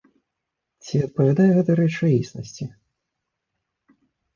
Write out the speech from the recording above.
Ці адпавядае гэта рэчаіснасці?